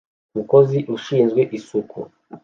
Umukozi ushinzwe isuku